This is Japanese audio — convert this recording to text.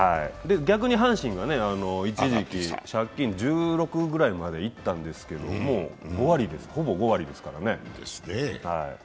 逆に阪神が一時期、借金１６ぐらいまでいったんですけど、ほぼ５割ですからね。